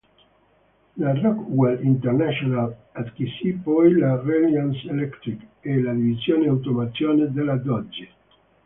La Rockwell International acquisì poi la Reliance Electric e la divisione automazione della Dodge.